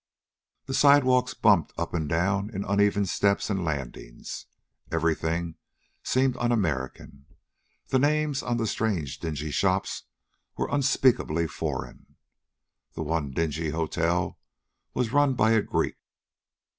The sidewalks bumped up and down in uneven steps and landings. Everything seemed un American. The names on the strange dingy shops were unspeakably foreign. The one dingy hotel was run by a Greek.